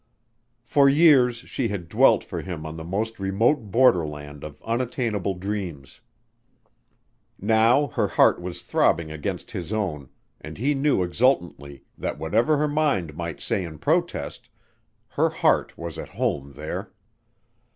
For years she had dwelt for him on the most remote borderland of unattainable dreams. Now her heart was throbbing against his own and he knew exultantly that whatever her mind might say in protest, her heart was at home there.